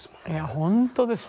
本当ですよ。